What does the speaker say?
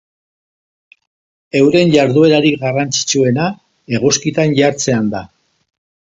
Euren jarduerarik garrantzitsuena eguzkitan jartzean da.